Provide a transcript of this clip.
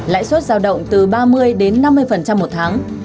lãi suất giao động từ ba mươi đến năm mươi một tháng